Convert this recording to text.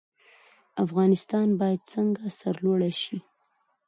نن سبا دا ځنې مشرانو په خپلو بدو کړنو د نرانو پټکي و شرمول.